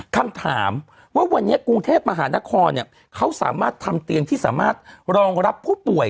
คำถามว่าวันนี้กรุงเทพมหานครเขาสามารถทำเตียงที่สามารถรองรับผู้ป่วย